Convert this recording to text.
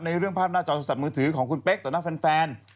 เรื่องภาพหน้าจอโทรศัพท์มือถือของคุณเป๊กต่อหน้าแฟน